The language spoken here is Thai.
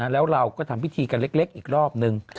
แล้วเราก็ทำพิธีกันเล็กอีกรอบนึง